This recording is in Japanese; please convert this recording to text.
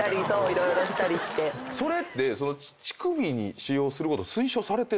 それって乳首に使用すること推奨されてんの？